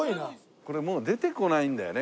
これもう出てこないんだよね